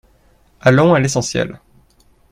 Allons à l’essentiel.